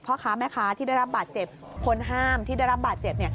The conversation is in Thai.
พ่อค้าแม่ค้าที่ได้รับบาดเจ็บคนห้ามที่ได้รับบาดเจ็บ